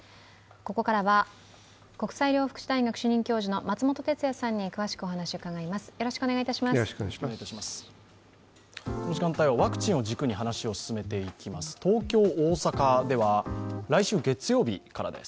ここからは国際医療福祉大学主任教授の松本哲哉さんに詳しくお話を伺います。